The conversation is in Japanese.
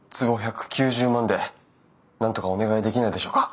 坪１９０万でなんとかお願いできないでしょうか？